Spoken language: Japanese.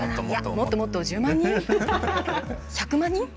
もっともっと、１０万人１００万人。